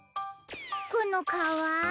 このかわ。